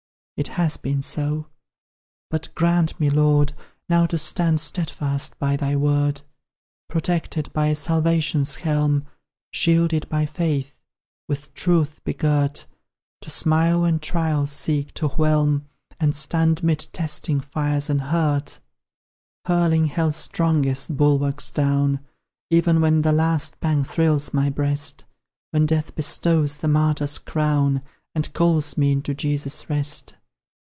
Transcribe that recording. It has been so; but grant me, Lord, Now to stand steadfast by Thy word! Protected by salvation's helm, Shielded by faith, with truth begirt, To smile when trials seek to whelm And stand mid testing fires unhurt! Hurling hell's strongest bulwarks down, Even when the last pang thrills my breast, When death bestows the martyr's crown, And calls me into Jesus' rest.